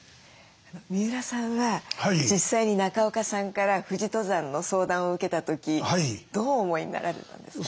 三浦さんは実際に中岡さんから富士登山の相談を受けた時どうお思いになられたんですか？